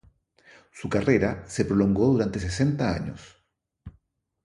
Su carrera se prolongó durante sesenta años.